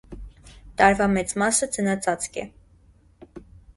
Տարվա մեծ մասը ձնածածկ է։